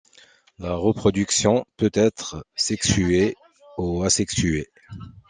La reproduction peut être sexuée ou asexuée.